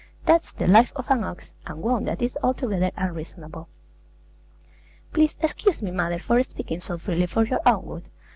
That's the life of an ox; and one that is altogether unreasonable. Please excuse me, mother, for speaking so freely for your own good.